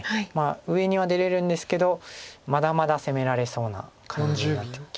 上には出れるんですけどまだまだ攻められそうな感じになってきますよね。